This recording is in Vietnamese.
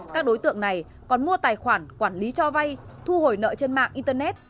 các đối tượng này còn mua tài khoản quản lý cho vay thu hồi nợ trên mạng internet